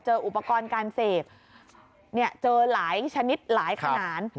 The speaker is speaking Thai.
เจออุปกรณ์การเสพเจอหลายชนิดหลายขนาด